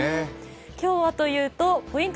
今日はというとポイント